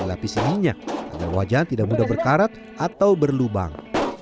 dan dilapisi minyak agar wajan tidak mudah berkarat atau berlubang